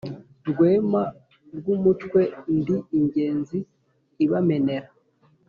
Rwema rw'umutwe ndi ingenzi ibamenera.